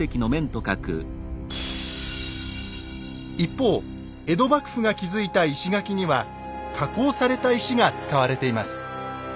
一方江戸幕府が築いた石垣には加工された石が使われています。